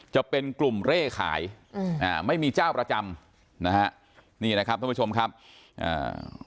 จะเป็นกลุ่มเร่ขายอืมอ่าไม่มีเจ้าประจำนะฮะนี่นะครับท่านผู้ชมครับอ่า